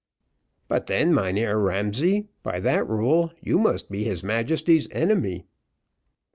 "But then, Mynheer Ramsay, by that rule you must be his Majesty's enemy."